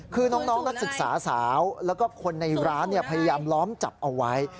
คือน้องนักศึกษาสาวแล้วก็คนในร้านพยายามล้อมจับเอาไว้